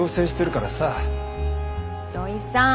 土井さん。